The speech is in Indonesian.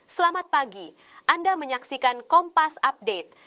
selamat pagi anda menyaksikan kompas update